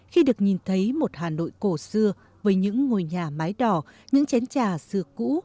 khi được nhìn thấy một hà nội cổ xưa với những ngôi nhà mái đỏ những chén trà xưa cũ